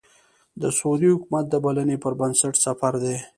د سعودي حکومت د بلنې پر بنسټ سفر دی.